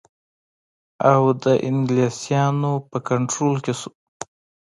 اَوَد د انګلیسیانو په کنټرول کې شو.